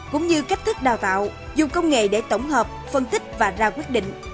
cũng như cách thức đào tạo dùng công nghệ để tổng hợp phân tích và ra quyết định